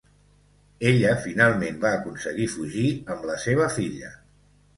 Ella finalment va aconseguir fugir amb la seva filla.